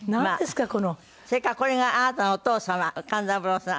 それからこれがあなたのお父様勘三郎さん。